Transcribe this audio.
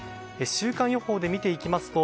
週間予報で見ていきますと